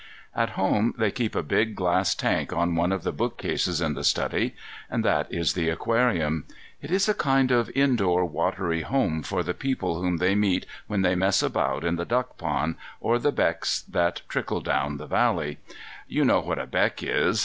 At home they keep a big glass tank on one of the bookcases in the study. And that is the aquarium. It is a kind of indoor watery home for the people whom they meet when they mess about in the duck pond, or the becks that trickle down the valley. You know what a beck is?